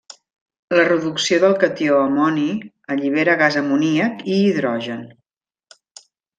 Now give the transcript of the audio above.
La reducció del catió amoni allibera gas amoníac i hidrogen.